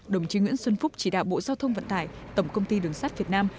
đồng chí nguyễn xuân phúc chỉ đạo bộ giao thông vận tải tổng công ty đường sắt việt nam